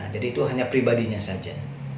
jadi itu hanya pribadinya saja